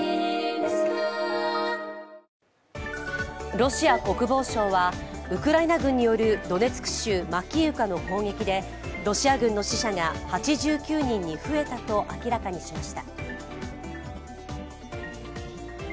ロシア国防省は、ウクライナ軍によるドネツク州マキーウカの攻撃でロシア軍の死者が８９人に増えたと明らかにしました。